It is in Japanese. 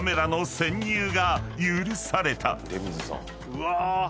うわ！